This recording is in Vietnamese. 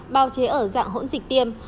bao chế ở dạng hỗn dịch tiêm